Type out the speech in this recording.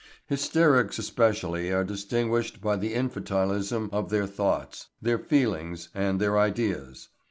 Hysterics especially are distinguished by the infantilism of their thoughts, their feelings, and their ideas.